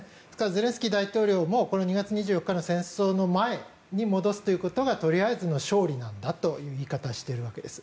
ゼレンスキー大統領も２月２４日の戦争の前に戻すということがとりあえずの勝利なんだという言い方をしているわけです。